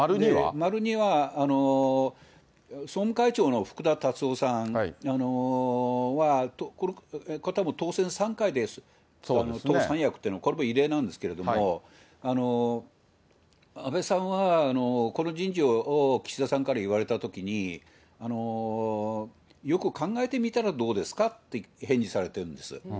丸２は、総務会長の福田達夫さんは、これたぶん、当選３回で党三役というのも、これも異例なんですけれども、安倍さんは、この人事を岸田さんから言われたときに、よく考えてみたらどうですかってお返事されてるんです。